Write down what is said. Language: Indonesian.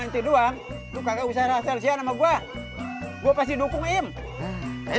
duit duang lu kagak usah rahasia nama gua gua pasti dukung dia udah saya